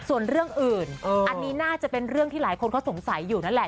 ส่วนเรื่องอื่นอันนี้น่าจะเป็นเรื่องที่หลายคนเขาสงสัยอยู่นั่นแหละ